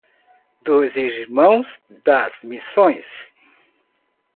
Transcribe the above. Dois Irmãos das Missões